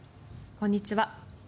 こんにちは。